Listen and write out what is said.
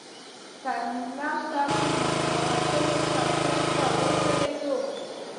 ترمینل ته په ننوتلو کتار ته ودرېدو.